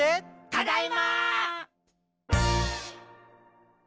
「ただいま！」